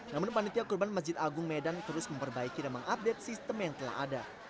namun panitia kurban masjid agung medan terus memperbaiki dan mengupdate sistem yang telah ada